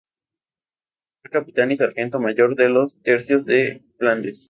Fue capitán y sargento mayor de los Tercios de Flandes.